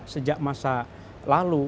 sejak masa lalu